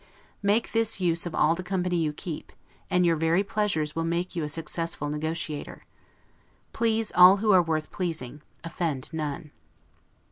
Make this use of all the company you keep, and your very pleasures will make you a successful negotiator. Please all who are worth pleasing; offend none.